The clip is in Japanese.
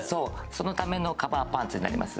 そのためのカバーパンツになります